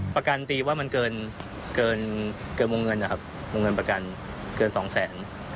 ประกันตีว่ามันเกินวงเงินนะครับวงเงินประกันเกินสองแสน